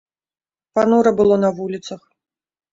Панура было на вуліцах.